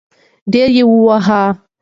ډېر يې ووهی .